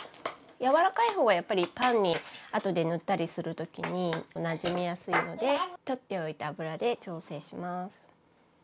やわらかいほうがやっぱりパンにあとで塗ったりする時になじみやすいので取っておいた油で調整します。